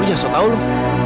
lo jahat soal tau lo